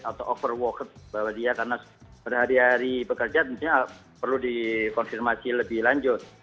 atau overworket bahwa dia karena berhari hari bekerja tentunya perlu dikonfirmasi lebih lanjut